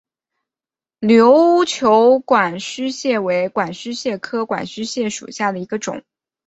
琉球管须蟹为管须蟹科管须蟹属下的一个种。